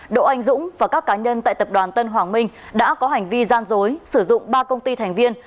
đỗ anh dũng và các cá nhân tại tập đoàn tân hoàng minh đã có hành vi gian dối sử dụng ba công ty thành viên